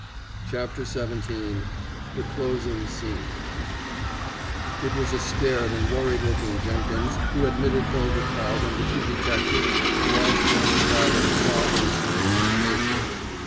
CHAPTER XVII THE CLOSING SCENE It was a scared and worried looking Jenkins who admitted Hylda Prout and the two detectives to Osborne's flat in Clarges Street, Mayfair.